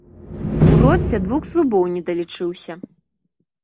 У роце двух зубоў недалічыўся.